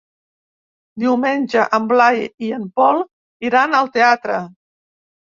Diumenge en Blai i en Pol iran al teatre.